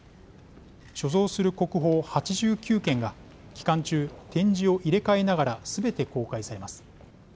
所蔵する国宝８９件が期間中、展示を入れ替えながらすべて公開されます。